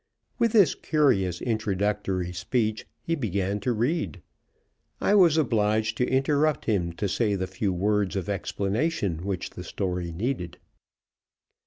With this curious introductory speech he began to read. I was obliged to interrupt him to say the few words of explanation which the story needed.